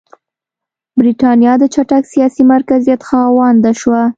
برېټانیا د چټک سیاسي مرکزیت خاونده شوه.